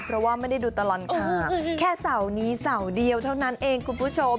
เพราะว่าไม่ได้ดูตลอดข่าวแค่เสาร์นี้เสาร์เดียวเท่านั้นเองคุณผู้ชม